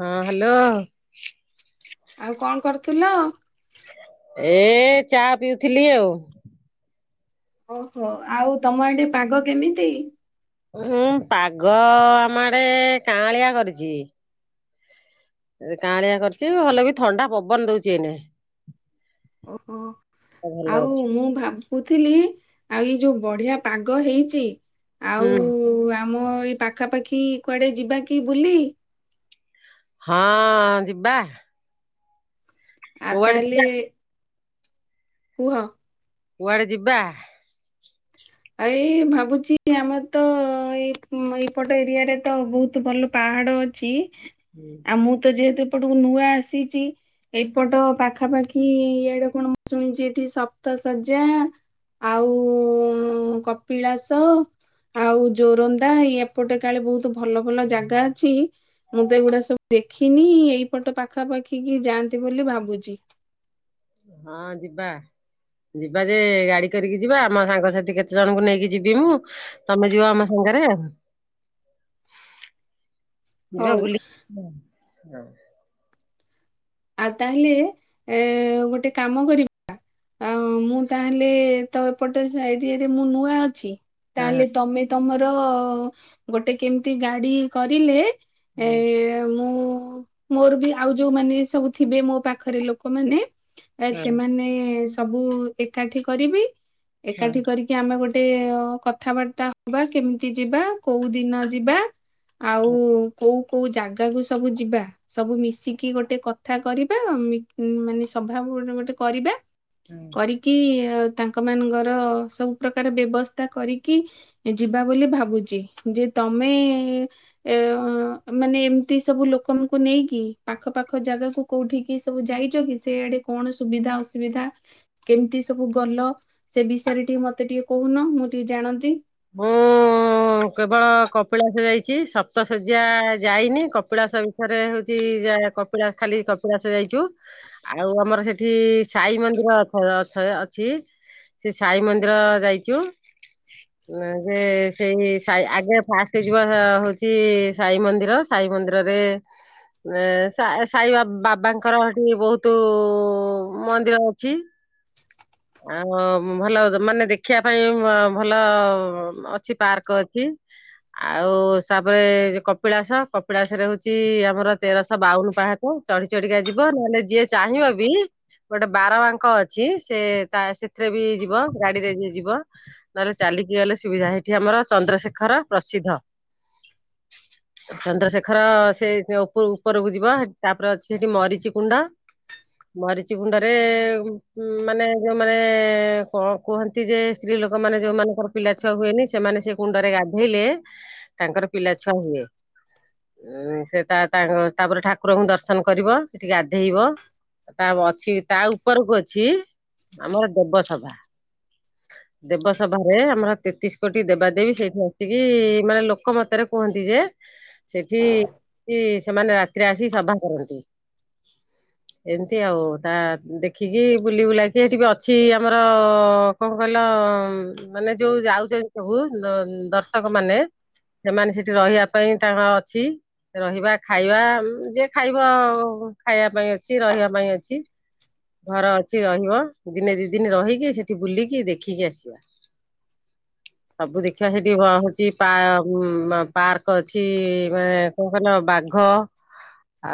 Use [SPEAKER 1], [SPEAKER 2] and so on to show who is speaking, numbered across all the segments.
[SPEAKER 1] ହଁ ହାଲୋ
[SPEAKER 2] ଆଉ କଣ କରୁଥିଲ।
[SPEAKER 1] ଏ ଚା ପିଉଥିଲି ଆଉ।
[SPEAKER 2] ଓହୋ ଆଉ ତମ ଆଡେ ପାଗ କେମିତି।
[SPEAKER 1] ହୁଁ ପାଗ ଆମ ଆଡେ କାଁଳିଆ କରିଛି। କାଁଳିଆ କରିଛି ଭଲ ବି ଥଣ୍ଡା ପବନ ଦଉଛି ଏନେ।
[SPEAKER 2] ଓହୋ ଆଉ
[SPEAKER 1] ଅଛି।
[SPEAKER 2] ମୁଁ ଭାବ ବୁଥିଲି ଆଉ ଏଇ ଯୋଉ ବଢିଆ ପାଗ ହେଇଛି।
[SPEAKER 1] ହୁଁ
[SPEAKER 2] ଆଉ ଆମ ଏଇ ପାଖାପାଖି କୁଆଡେ ଯିବା କି ବୁଲି।
[SPEAKER 1] ହଁ ଯିବା।
[SPEAKER 2] ଆ
[SPEAKER 1] କୁଆଡେ
[SPEAKER 2] ତାହଲେ।
[SPEAKER 1] ଯିବା
[SPEAKER 2] କୁହ।
[SPEAKER 1] କୁଆଡେ ଯିବା।
[SPEAKER 2] ଆ ଏଇ ଭାବୁଛି ଆମର ତ ଏଇ ଏଇପଟ ଏରିଆରେ ତ ବହୁତ ଭଲ ପାହାଡ ଅ ଛି
[SPEAKER 1] [inaudible]
[SPEAKER 2] ଆଉ ମୁଁ ତ ଯେହେତୁ ଏପଟକୁ ନୂଆ ଆସିଛି। ଏଇପଟ ପାଖାପାଖି ଇଏଡେ କଣ ମୁ ଶୁଣିଛି ଏଠି ସପ୍ତସଜା। ଆଉ ଉଁ କପିଳାସ ଆଉ ଯୋରନ୍ଦା ଏ ପଟେ କାଳେ ବହୁତ ଭଲ ଭଲ ଜାଗା ଅଛି। ମୁଁ ତ ଏଇଗୁଡା ସବୁ ଦେଖିନି ଏଇପଟ ପାଖାପାଖି କି ଯାଆନ୍ତି ବୋଲି ଭାବୁଛି।
[SPEAKER 1] ହଁ ଯିବା। ଯିବା ଯେ ଗାଡି କରିକି ଯିବା ଆମ ସାଙ୍ଗସାଥି କେତେ ଜଣଙ୍କୁ ନେଇକି ଯିବି ମୁଁ ତମେ ଯିବ ଆମ ସାଙ୍ଗରେ
[SPEAKER 2] [inaudible]
[SPEAKER 1] ଯିବା ବୁଲି
[SPEAKER 2] ଆଉ ତାହେଲେ ଏଁ ଗୋଟେ କାମ କରିବୁ ଅ ମୁଁ ତାହେଲେ ତ ଏପଟେ ସାଇଟିରେ ମୁଁ ନୂଆ ଅଛି
[SPEAKER 1] ହଁ
[SPEAKER 2] ତାହେଲେ ତମେ ତମର ଗୋଟେ କେମିତି ଗାଡି କରିଲେ ଏ
[SPEAKER 1] ହଁ
[SPEAKER 2] ମୁଁ ମୋର ବି ଆଉ ଯୋଉ ମାନେ ସବୁ ଥିବେ ମୋ ପାଖରେ ଲୋକ ମାନେ
[SPEAKER 1] ହଁ
[SPEAKER 2] ସେମାନେ ସବୁ ଏକାଠି କରିବି ଏକାଠି କରି କି ଆମେ ଗୋଟେ କଥାବାର୍ତ୍ତା ହବା କେମିତି ଯିବା କୋଉ ଦିନ ଯିବା। ଆଉ କୋଉ କୋଉ ଜାଗାକୁ ସବୁ ଯିବା। ସବୁ ମିଶିକି ଗୋଟେ କଥା କରିବା ମି ମାନେ ସଭା ଗୋଟେ କରିବା
[SPEAKER 1] [unintelligible]
[SPEAKER 2] କରିକି ତାଙ୍କ ମାନଙ୍କର ସବୁ ପ୍ରକାର ବ୍ୟବସ୍ଥା କରିକି ଯିବା ବୋଲି ଭାବୁଛି ଯେ ତମେ ଏ ଅ ମାନେ ଏମିତି ସବୁ ଲୋକଙ୍କୁ ନେଇକି ପାଖ ପାାଖ ଜାଗାକୁ କୋଉଠିିକି ସବୁ ଯାଇଛ କି ସେଆଡେ କଣ ସୁବିଧା ଅସୁବିଧା କେମିତି ସବୁ ଗଲ ସେ ବିଷୟରେ ଟିକେ ମତେ ଟିକେ କହୁନ ମୁଁ ଟିକେ ଜାଣନ୍ତି।
[SPEAKER 1] ହୁଁ ମୁଁ କେବଳ କପିଳାସ ଯାଇଛି ସପ୍ତ ଶଯ୍ୟା ଯାଇନି କପିଳାସ ଥରେ ହଉଚି ଯା କପିଳାସ ଖାଲି କପିଳାସ ଯାଇଚୁ ଆଉ ଆମର ସେଠି ସାଇ ମନ୍ଦିର ସ ଅଛି। ସେ ସାଇ ମନ୍ଦିର ଯାଇଛୁ ସେ ସେଇ ସାଇ ଆଗେ ଫାଷ୍ଟ ଯିବ ହଉଚି ସାଇ ମନ୍ଦିର ସାଇ ମନ୍ଦିରରେ ଏ ସା ସାଇ ବାବାଙ୍କର ହେଟି ବହୁତ୍ ମନ୍ଦିର ଅଛି।
[SPEAKER 2] [inaudible]
[SPEAKER 1] ଆଉ ଭଲ ମାନେ ଦେଖିବା ପାଇଁ ଭଲ ଅଛି ପାର୍କ ଅ ଛି ଆଉ ତାପରେ କପିଳାସ କପିଳାସରେ ହଉଚି ଆମର ତେରଶହ ବାଉନୁ ପାହା ଚ ଚଢି ଚଢିକା ଯିବ ନହେଲେ ଯିଏ ଚାହିଁବବି ଗୋଟେ ବାର ବାଙ୍କ ଅଛି ସେ ତା ସେଥିରେବି ଯିବ ଗାଡ଼ିରେ ଯିଏ ଯିବ ନହେଲେ ଚାଲିକି ଗଲେ ସୁବିଧା ହେଠିଆମର ଚନ୍ଦ୍ରଶେଖର ପ୍ରସିଦ୍ଧ
[SPEAKER 2] [inaudible]
[SPEAKER 1] ଚନ୍ଦ୍ରଶେଖର ସେ ଉପର ଉପରକୁ ଯିବ ହେ ତାପରେ ଅଛି ହେଟି ମରିଚି କୁଣ୍ଡ ମରିଚ କୁଣ୍ଡରେ ମାନେ ଯୋଉ ମାନେ କଁ କୁହନ୍ତିଯେ ସ୍ତ୍ରୀ ଲୋକମାନେ ଯୋଉ ମାନଙ୍କର ପିଲା ଛୁଆ ହୁଏନି ସେମାନେ ସେ କୁଣ୍ଡରେ ଗାଧେଇଲେ ତାଙ୍କର ପିଲା ଛୁଆ ହୁଏ। ଉଁ ସେତା ତା ତା ତାପରେ ଠାକୁରଙ୍କୁ ଦର୍ଶନ କରିବ ସେଠି ଗାଧେଇବ ତା ବ ଅଛି ତା ଉପରକୁ ଅଛି ଆମର ଦେବସଭା ଦେବସଭାରେ ଆମର ତେତିଶି କୋଟି ଦେବାଦେବୀ ଠି ହେଟିକି ମାନେ ଲୋକ ମତରେ କୁହନ୍ତି ଯେ ସେଠି [unintelligible] ସେମାନେ ରାତିରେ ଆସିକି ସଭା କରନ୍ତି।
[SPEAKER 2] [inaudible]
[SPEAKER 1] ଏମିତି ଆଉ ତା ଦେଖିକି ବୁଲି ବୁଲାକି ସେଠିବି ଅଛି ଆମର କଁ କହିଲ ମାନେ ଯୋଉ ଯାଉଚନ୍ତି ସବୁ ଦର୍ଶକ ମାନେ ସେମାନେ ସେଠି ରହିବା ପାଇଁ ତାଙ୍କର ଅଛି ରହିବା ଖାଇବା ଯିଏ ଖାଇବ ଖାଇବା ପାଇଁ ଅଛି ରହିବା ପାଇଁ ଅଛି। ଘର ଅଛି ରହିବ ଦିନେ ଦି ଦିନି ରହିକି ସେଠି ବୁଲିକି ଦେଖିକି ଆସିବା। ସବୁ ଦେଖିବା ସେଇଠି ପା ହଉଚି ଉମ୍ ପାର୍କ ଅଛି ମାନେ କଁ କହିଲ ବାଘ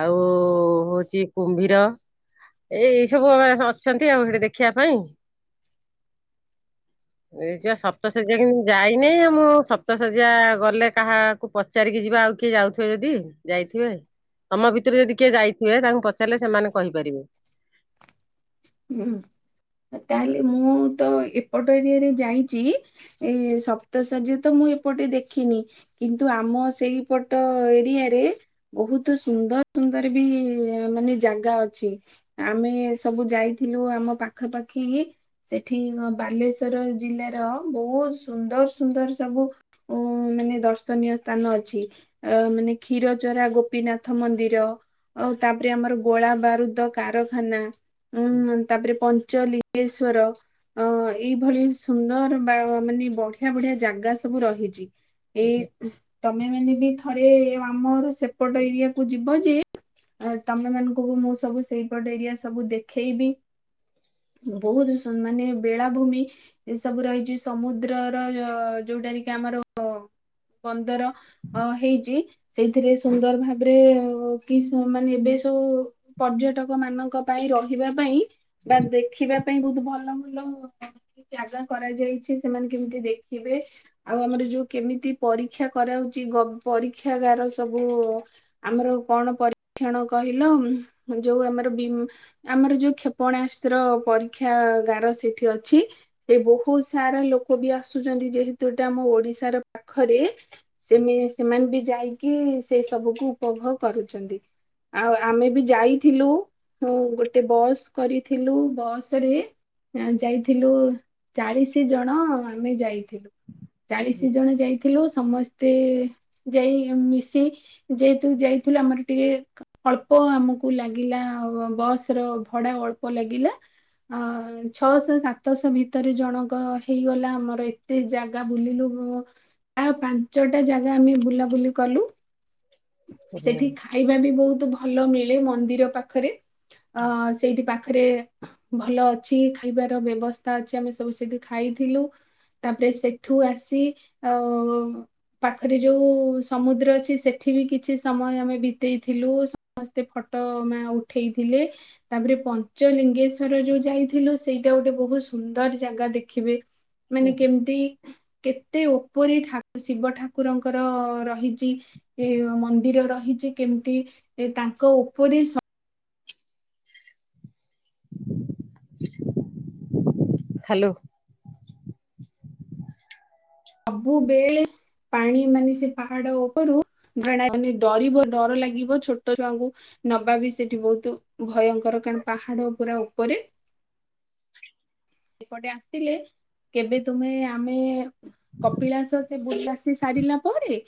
[SPEAKER 1] ଆଉ ହଉଚି କୁମ୍ଭୀର ଏଇ ଏଇ ସବୁ ଆମ ଅଛନ୍ତି ଆଉ ସେଠି ଦେଖିବା ପାଇଁ ଏଇ ଯିଅ ସପ୍ତ [unintelligible] ମୁଁ ଯାଇ ଏ ନାଇ ଆମ ସପତଶଯ୍ୟା ଗଲେ କାହାକୁ ପଚାରିକି ଯିବା ଆଉ କିଏ ଯାଉଥିବେ ଯଦି ଯାଇଥିବେ ତମ ଭିତରୁ ଯଦି କିଏ ଯାଇଥିବେ ତାଙ୍କୁ ପଚାରିଲେ ସେମାନେ କହିପାରିବେ।
[SPEAKER 2] ହୁଁ ତାହେଲେ ମୁଁତ ଏପଟ ଏରିଆରେ ଯାଇଚି ଏଇ ସପ୍ତସଯ୍ୟତ ମୁଁ ଏପଟେ ଦେଖିନି। କିନ୍ତୁ ଆମ ସେଇପଟ ଏରିଆରେ ବହୁତ୍ ସୁନ୍ଦର ସୁନ୍ଦରବି ମାନେ ଜାଗା ଅଛି ଆମେ ସବୁ ଯାଇଥିଲୁ ଆମ ପାଖା ପାାଖି ସେଠି ବାଲେଶ୍ଵର ଜିଲ୍ଲାର ବହୁତ୍ ସୁନ୍ଦର ସୁନ୍ଦର ସବୁ ଓ ମାନେ ଦର୍ଶନୀୟ ସ୍ଥାନ ଅଛି। ଅ ମାନେ କ୍ଷୀର ଚରା ଗୋପୀନାଥ ମନ୍ଦିର ଆଉ ତାପରେ ଆମର ଗୋଳା ବାରୁଦ କାରଖାନା ଉୁଁ ତାପରେ ପଞ୍ଚଲିଙ୍ଗେଶ୍ଵର ଅ ଏଇଭଳି ସୁନ୍ଦର ବା ମାନେ ବଢିଆ ବଢିଆ ଜାଗା ସବୁ ରହିଛି। ଏଇ ତମେ ମାନେ ବି ଥରେ ଆମର ସେପଟ ଏରିଆକୁୁ ଯିବ ଯେ ଅ ତମେ ମାନଙ୍କୁ ମୁଁ ସବୁ ସେଇପଟେ ଏରିଆ ସବୁ ଦେଖେଇବି! ବହୁତ ସୁ ମାନେ ବେଳାଭୂମି ଏ ସବୁ ରହିଛି ସମୁଦ୍ରର ଅ ଯୋଉଟା କି ଆମର ବନ୍ଦର ଅ ହେଇଛି ସେଇଥିରେ ସୁନ୍ଦର ଭାବରେ କି ସ ମାନେ ଏବେ ସବୁ ପର୍ଯ୍ୟଟକ ମାନଙ୍କ ପାଇଁ ରହିବା ପାଇଁ ବା ଦେଖିବା ପାଇଁ ବହୁତ ଭଲ ଭଲ [unintelligible] ଜାଗା କରାଯାଇଛି, ସେମାନେ କେମିତି ଦେଖିବେ! ଆଉ ଆମର ଯୋଉ କେମିତି ପରୀକ୍ଷା କରାହଉଛି ଗ ପରୀକ୍ଷା ଗାର ସବୁ ଆମର କଣ ପରୀକ୍ଷଣ କହିଲ? ଯୋଉ ଆମର ବି ଆମର ଯୋଉ କ୍ଷେପଣାସ୍ତ୍ର ପରୀକ୍ଷା ଗାର ସେଠି ଅଛି! ଏ ବହୁତ ସାରା ଲୋକ ବି ଆସୁଛନ୍ତି ଯେହେତୁ ଏଇଟା ଆମ ଓଡିଶାର ପାଖରେ! [unintelligible] ସେମାନେ ବି ଯାଇକି ସେ ସବୁକୁ ଉପଭୋଗ କରୁଛନ୍ତି। ଆଉ ଆମେ ବି ଯାଇଥିଲୁ ହୁଁ ଗୋ ଟେ ବସ କରିଥିଲୁ ବସ ରେ ଏଁ ଯାଇଥିଲୁ ଚାଳିଶି ଜଣ ଆମେ ଯାଇଥିଲୁ, ଚାଳିଶି ଜଣ ଯାଇ ଥିଲୁ ସମସ୍ତେ ଯାଇ ମିଶି ଯେହେତୁ ଯାଇଥିଲୁ ଆମର ଟିକେ ଅଳ୍ପ ଆମକୁ ଲାଗିଲା ବସ ର ଭଡା ଅଳ୍ପ ଲାଗିଲା! ଅଁ ଛଅଶହ ସାତଶହ ଭିତରେ ଜଣଙ୍କ ହେଇଗଲା ଆମର ଏ ତେ ଜାଗା ବୁଲିଲୁ [unintelligible] ଆଉ ପାଞ୍ଚଟା ଜାଗା ଆମେ ବୁଲାବୁଲି କଲୁ! ସେଠି ଖାଇବା ବି ବହୁତ ଭଲ ମିଳେ ମନ୍ଦିର ପାଖରେ! ଅ ସେଇଠି ପାଖରେ ଭଲ ଅଛି ଖାଇବାର ବ୍ୟବସ୍ଥା ଅଛି ଆମେ ସବୁ ସେଠି ଖାଇଥିଲୁ। ତାପରେ ସେଠୁ ଆସି ଅ [unintelligible] ପାଖରେ ଯୋଉ ସମୁଦ୍ର ଅଛି ସେ ଠି ବି କିଛି ସମୟ ଆମେ ବିତେଇଥିଲୁ ସମସ୍ତେ ଫଟୋ ମାଁ ଉଠେଇଥିଲେ। ତାପରେ ପଞ୍ଚଲିଙ୍ଗେଶ୍ୱର ଯୋଉ ଯାଇଥିଲୁ ସେଇଟା ଗୋଟେ ବହୁ ସୁନ୍ଦର ଜାଗା ଦେଖିବେ। ମାନେ କେମିତି କେତେ ଉପରେ ଠା ଶିବ ଠାକୁରଙ୍କର ରହିଛି ଏ ମନ୍ଦିର ରହିଛି କେମିତି ଏ ତାଙ୍କ ଉପରେ ସ
[SPEAKER 1] ହାଲୋ!
[SPEAKER 2] [unintelligible] ବେଳେ ପାଣି ମାନେ ସେ ପାହାଡ ଉପରୁ [unintelligible] ଡରିବ ଡର ଲାଗିବ ଛୋଟ ଛୁଆଙ୍କୁ ନବା ବି ସେଠି ବହୁତ ଭୟଙ୍କର କାରଣ ପାହାଡ ପୁରା ଉପରେ! ଏପଟେ ଆସିଲେ କେବେ ତୁମେ ଆମେ କପିଳାସ ସେ ବୁଲା ଆସି ସାରିଲା ପରେ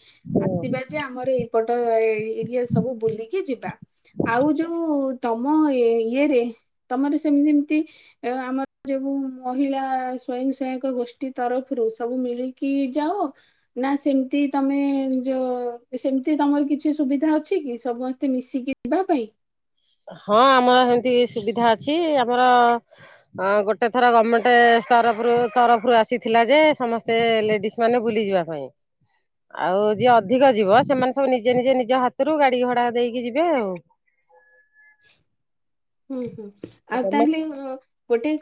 [SPEAKER 2] ଆସିବା ଯେ ଆମର ଏଇପଟ ଏ ଏରିଆ ସବୁ ବୁଲିକି ଯିବା। ଆଉ ଯୋଉ ତମ ଏ ଇଏରେ ତମର ସେମ ଯେମିତି ଅ ଆମ [unintelligible] ମହିଳା ସ୍ଵୟଂ ସହାୟକ ଗୋଷ୍ଠୀ ତରଫରୁ ସବୁ ମିଳିକି ଯାଅ! ନା ସେମତି ତମେ ଯୋଉ ସେମିତି ତମର କିଛି ସୁବିଧା ଅଛି କି ସମସ୍ତେ ମିଶିକି ଯିବା ପାଇଁ?
[SPEAKER 1] ହଁ ଆମର ହେନ୍ତି ସୁବିଧା ଅଛି ଆମର ହଁ ଗୋଟେ ଥର ଗମେଣ୍ଟ ସ୍ତରଫରୁ ତରଫରୁ ଆସିଥିଲା ଯେ ସମସ୍ତେ ଲେଡିଜ ମାନେ ବୁଲିଯିବା ପାଇଁ। ଆଉ ଯିଏ ଅଧିକ ଯିବ ସେମାନେ ସବୁ ନିଜେ ନିଜେ ନିଜ ହାତରୁ ଗାଡି ଘଡା ଦେଇକି ଯିବେ ଆଉ।
[SPEAKER 2] [inaudible] ହୁଁ ହୁଁ ଆଉ
[SPEAKER 1] ହୁଁ
[SPEAKER 2] ତାହେଲେ ଗୋଟେ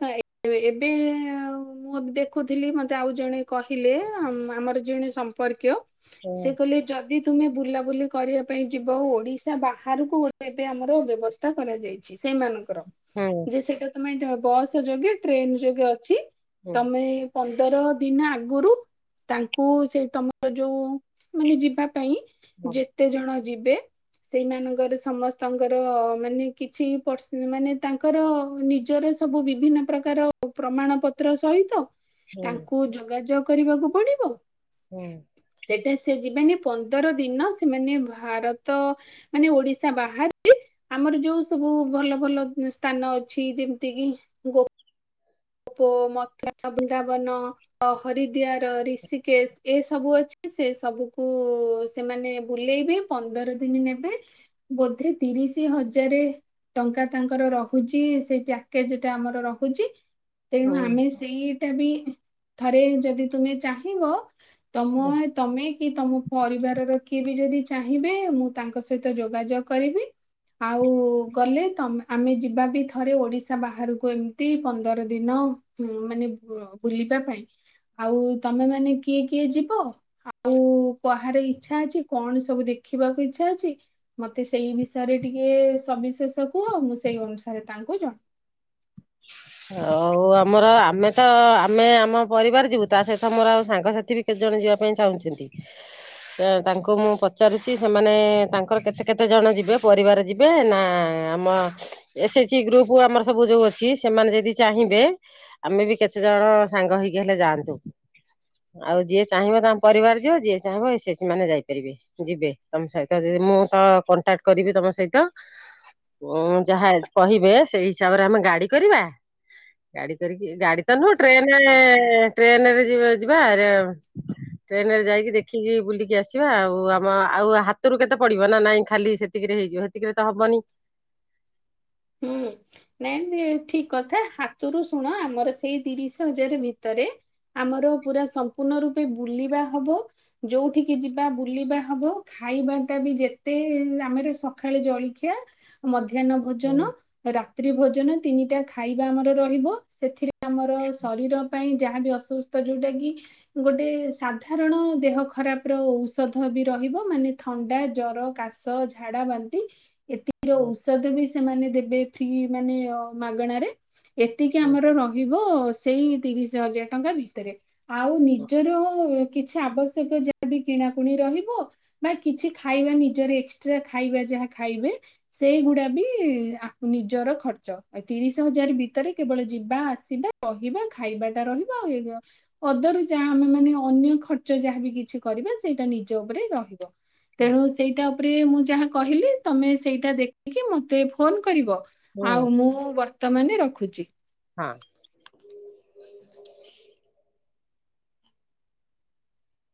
[SPEAKER 2] ଏବେ ଆଉ ମୁଁ ଦେଖୁଥିଲି ମତେ ଆଉ ଜଣେ କହିଲେ ଆମର ଜଣେ ସମ୍ପର୍କୀୟ
[SPEAKER 1] ହୁଁ
[SPEAKER 2] ସେ କହିଲେ ଯଦି ତୁମେ ବୁଲାବୁଲି କରିବା ପାଇଁ ଯିବ ଓଡିଶା ବାହାରକୁ ଏବେ ଆମର ବ୍ୟବସ୍ଥା କରାଯାଇଛି। ସେଇ ମାନଙ୍କର
[SPEAKER 1] ହଁ।
[SPEAKER 2] ସେଇଟା ତମେ ଏ ବସ ଯୋଗେ ଟ୍ରେନ ଯୋଗେ ଅଛି
[SPEAKER 1] ହୁଁ
[SPEAKER 2] ତମେ ପନ୍ଦର ଦିନ ଆଗରୁ ତାଙ୍କୁ ସେ ତମର ଯୋଉ ମାନେ ଯିବା ପାଇଁ
[SPEAKER 1] ହୁଁ
[SPEAKER 2] ଯେତେ ଜଣ ଯିବେ ସେଇମାନଙ୍କର ସମସ୍ତଙ୍କର ମାନେ କି ଛି ପ ମାନେ ତାଙ୍କର ନିଜର ସବୁ ବିଭିନ୍ନ ପ୍ରକାର ପ୍ରମାଣପତ୍ର ସହିତ
[SPEAKER 1] ହୁଁ
[SPEAKER 2] ତାଙ୍କୁ ଯୋଗାଯୋଗ କରିବାକୁ ପଡିବ।
[SPEAKER 1] ହୁଁ।
[SPEAKER 2] ସେଟା ସେ ଯିବାନି ପନ୍ଦର ଦିନ ସେମାନେ ଭାରତ ମାନେ ଓଡିଶା ବାହାରେ ଆମର ଯୋଉ ସବୁ ଭଲ ଭଲ ସ୍ଥାନ ଅଛି ଯେମିତି କିି ଗୋ ପ ମ ବୃନ୍ଦାବନ। ହରିଦିଆର ଋଷିକେଶ ଏସବୁ ଅଛି ସେ ସବୁକୁ ସେମାନେ ବୁଲେଇବେ ପନ୍ଦର ଦିନ ନେବେ ବୋଧେ ତିରିଶ ହଜାର। ଟଙ୍କା ତାଙ୍କର ରହୁଛି ସେଇ ପ୍ୟାକେଜ ଟା ଆମର ରହୁଛି। ତେଣୁ
[SPEAKER 1] ହୁଁ।
[SPEAKER 2] ଆମେ ସେଇଟା ବି ଥରେ ଯଦି ତୁମେ ଚାହିଁବ ତମ ତମେ କି ତମ ପରିବାରର କିଏ ବି ଯଦି ଚାହିଁବେ ମୁଁ ତାଙ୍କ ସହିତ ଯୋଗାଯୋଗ କରିବି। ଆଉ ଗଲେ ତମେ ଆମେ ଯିବା ବି ଥରେ ଓଡିଶା ବାହାରକୁ ଏମତି ପନ୍ଦର ଦ ଦିନ ମାନେ ବୁଲିବା ପାଇଁ ଆଉ ତମେ ମାନେ କିଏ କିଏ ଯିବ ଆଉ କୁ ହାର ଇଚ୍ଛା ଅଛି କଣ ସବୁ ଦେଖିବାକୁ ଇଚ୍ଛା ଅଛି ମତେ ସେଇ ବିଷୟରେ ଟିକେ ସବିଶେଷ କୁହ ଆଉ ମୁଁ ସେଇ ଅନୁସାରେ ତାଙ୍କୁ ଜଣ [inaudible]
[SPEAKER 1] ହଉ ଆମର ଆମେ ତ ଆମେ ଆମ ପରିବାର ଯିବୁ ତା ସହିତ ମୋର ଆଉ ସାଙ୍ଗସାଥି ବି କେତେ ଜଣ ଯିବା ପାଇଁ ଚାହୁଁଛନ୍ତି।
[SPEAKER 2] [inaudible]
[SPEAKER 1] ତାଙ୍କୁ ମୁଁ ପଚାରୁଛି ସେମାନେ ତାଙ୍କର କେତେ କେତେଜଣ ଯିବେ ପରିବାର ଯି ବେ ନା ଆମ ଏସ ଏଚି ଗ୍ରୁପ ଆମର ସବୁ ଯୋଉ ଅ ଛି ସେମାନେ ଯଦି ଚାହିଁବେ ଆମେ ବି କେତେ ଜଣ ସାଙ୍ଗ ହେଇକି ହେଲେ ଯାଆନ୍ତୁ। ଆଉ ଯିଏ ଚାହିଁବ ତାଙ୍କ ପରିବାର ଯିବ ଯିଏ ଚାହିଁବ ଏସ୍ ଏସ୍ ସି ମାନେ ଯାଇପାରିବେ। ଯିବେ ତମ ସହିତ ଯଦି ମୁଁ ତ କଣ୍ଟାକ୍ଟ କରିବି ତମ ସହିତ। ଉଁ ଯାହା କହିବେ ସେଇ ହିସାବରେ ଆମେ ଗାଡି କରିବା। ଗାଡି କରିକି ଗାଡି ତ ନୁହଁ ଟ୍ରେନ ଟ୍ରେନରେ ଯି ଯିବା ଆରେ ଟ୍ରେନ ରେ ଯାଇକି ଦେଖିକି ବୁଲିକି ଆସିବା ଆଉ ଆମ ଆଉ ହାତରୁ କେତେ ପଡିବ ନା ନାଇଁ ଖାଲି ସେତିକିରେ ହେଇଯିବ। ସେତିକିରେ ତ ହବନି।
[SPEAKER 2] ହୁଁ। ନାଇଁ ଠିକ କଥା ହାତରୁ ଶୁଣ ଆମର ସେଇ ତିରିଶ ହଜାର ଭିତରେ ଆମର ପୁରା ସମ୍ପୂର୍ଣ୍ଣ ରୂପେ ବୁଲିବା ହବ। ଯୋଉଠିକି ଯିବା ବୁଲିବା ହବ ଖାଇବା ଟା ବି ଯେତେ ଆମର ସ କାଳେ ଜଳଖିଆ ମଧ୍ୟାହ୍ନ
[SPEAKER 1] ହୁଁ
[SPEAKER 2] ଭୋଜନ ରାତ୍ରି ଭୋଜନ ତିନିଟା ଖାଇବା ଆମର ରହିବ ସେଥିରେ ଆମର ଶରୀର ପାଇଁ ଯାହାବି ଅସୁସ୍ଥ ଯୋଉଟା କି ଗୋଟେ ସାଧାରଣ ଦେହ ଖରାପର ଔଷଧ ବି ରହିବ ମାନେ ଥଣ୍ଡା ଜର କାଶ ଝାଡା ବାନ୍ତି ଏତିକି ର
[SPEAKER 1] ହୁଁ
[SPEAKER 2] ଔଷଧ ବି ସେମାନେ ଦେବେ ଫ୍ରି ମାନେ ମାଗଣାରେ। ଏତିକି
[SPEAKER 1] ହୁଁ
[SPEAKER 2] ଆମର ରହିବ ସେଇ ତିରିଶ ହଜାର ଟଙ୍କା ଭିତରେ। ଆଉ
[SPEAKER 1] ହୁଁ।
[SPEAKER 2] ନିଜର କିଛି ଆବଶ୍ୟକ ଯାହା ବି କିଣାକୁଣି ରହିବ। ବା କିଛି ଖାଇବା ନିଜର ଏକ୍ସଟ୍ରା ଖାଇବା ଯାହା ଖାଇବେ ସେଇଗୁଡା ବି ଆ ନିଜର ଖର୍ଚ୍ଚ ତିରିଶ ହଜାର ଭିତରେ କେବଳ ଯିବା ଆସିବା କହିବା। ଖାଇବା ଟା ରହିବ ଆଉ ପଦରୁ ଯାହା ଆମେ ମାନେ ଅନ୍ୟ ଖର୍ଚ୍ଚ ଯାହାବ କିଛି କରିବା ସେଇଟା ନିଜ ଉପରେ ରହିବ। ତେଣୁ ସେଇଟା ଉପରେ ମୁଁ ଯାହା କହିଲି ତମେ ସେଇଟା ଦେଖିକି ମତେ ଫୋନ କରିବ?
[SPEAKER 1] ହୁଁ,
[SPEAKER 2] ଆଉ ମୁଁ ବର୍ତ୍ତମାନ ରଖୁଛି।
[SPEAKER 1] ହଁ।